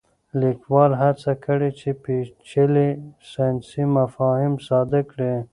لیکوال هڅه کړې چې پېچلي ساینسي مفاهیم ساده کړي.